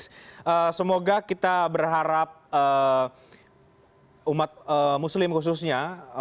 semoga kita berharap umat muslim khususnya